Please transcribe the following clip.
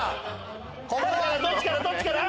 どっちから？